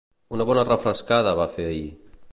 Una bona refrescada va fer ahir